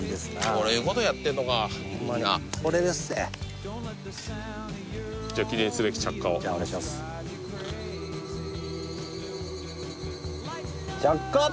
こういうことやってんのかこれでっせじゃあ記念すべき着火をじゃあお願いします着火！